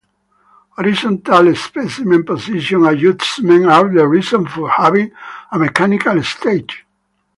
Horizontal specimen position adjustments are the reason for having a mechanical stage.